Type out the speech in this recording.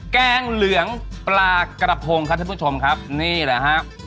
แกงเหลืองปลากระพงครับท่านผู้ชมครับนี่แหละครับ